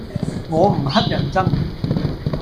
我唔乞人憎